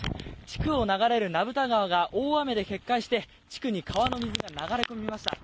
地区を流れる名蓋川が大雨で決壊して地区に川の水が流れ込みました。